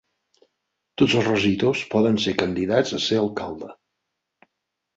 Tots els regidors poden ser candidats a ser alcalde.